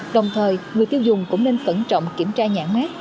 đồng thời người tiêu dùng cũng nên cẩn trọng kiểm tra nhãn mát